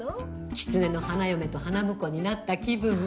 きつねの花嫁と花婿になった気分は。